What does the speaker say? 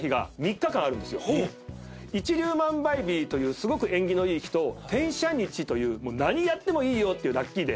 一粒万倍日というすごく縁起のいい日と天赦日という何やってもいいよっていうラッキーデー。